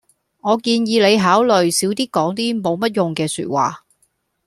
我建議你考慮少啲講啲冇乜用嘅說話